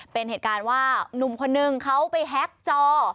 เป็นเหตุการณ์ว่าหนุ่มคนนึงเขาไปแฮ็กจอ